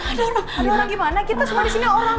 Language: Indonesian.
ada orang ada orang gimana kita semua disini orang